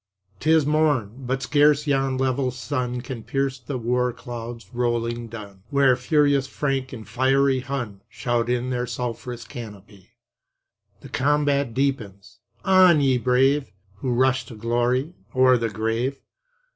'Tis morn, but scarce yon level sun Can pierce the war clouds, rolling dun, Where furious Frank, and fiery Hun, Shout in their sulph'rous canopy. The combat deepens. On, ye brave, Who rush to glory, or the grave!